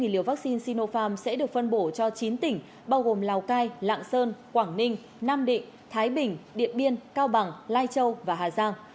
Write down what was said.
một mươi liều vaccine sinopharm sẽ được phân bổ cho chín tỉnh bao gồm lào cai lạng sơn quảng ninh nam định thái bình điện biên cao bằng lai châu và hà giang